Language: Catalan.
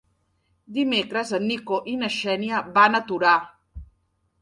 Dimecres en Nico i na Xènia van a Torà.